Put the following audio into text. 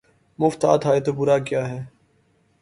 مفت ہاتھ آئے تو برا کیا ہے